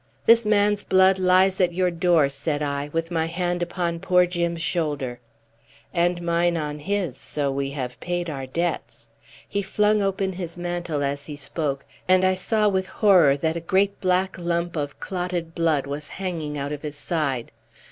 "This man's blood lies at your door," said I, with my hand on poor Jim's shoulder. "And mine on his, so we have paid our debts." He flung open his mantle as he spoke, and I saw with horror that a great black lump of clotted blood was hanging out of his side.